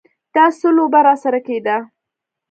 دا څه لوبه راسره کېده.